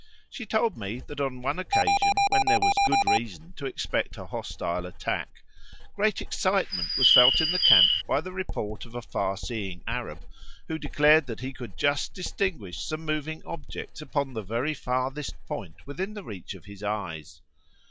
She told me that on one occasion, when there was good reason to expect a hostile attack, great excitement was felt in the camp by the report of a far seeing Arab, who declared that he could just distinguish some moving objects upon the very farthest point within the reach of his eyes.